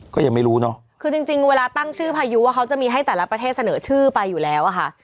ก็ยังไม่รู้เนอะคือจริงจริงเวลาตั้งชื่อพายุว่าเขาจะมีให้แต่ละประเทศเสนอชื่อไปอยู่แล้วอะค่ะ